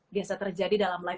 biasa terjadi dalam live